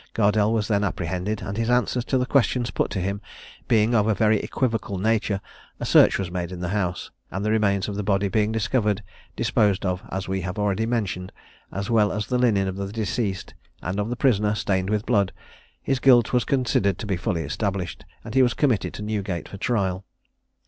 Gardelle was then apprehended, and his answers to the questions put to him being of a very equivocal nature, a search was made in the house, and the remains of the body being discovered, disposed of as we have already mentioned, as well as the linen of the deceased, and of the prisoner, stained with blood, his guilt was considered to be fully established, and he was committed to Newgate for trial.